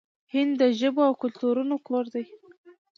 هند د ژبو او کلتورونو کور دی.